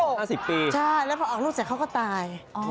๕๐ปีใช่แล้วพอออกลูกเสร็จเขาก็ตาย